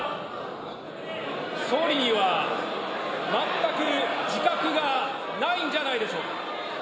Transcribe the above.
総理には全く自覚がないんじゃないでしょうか。